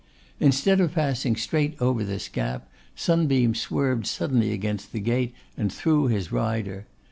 Instead of passing straight over this gap, Sunbeam swerved against the gate and threw his rider.